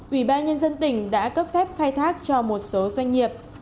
ủy ban nhân dân tỉnh đã cấp phép khai thác cho một số doanh nghiệp